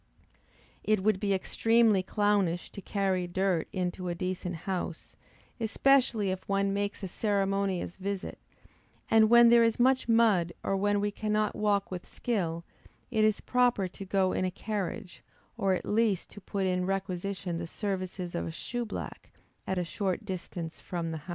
It would be extremely clownish to carry dirt into a decent house, especially if one makes a ceremonious visit; and, when there is much mud, or when we cannot walk with skill, it is proper to go in a carriage, or at least to put in requisition the services of a shoe black at a short distance from the house.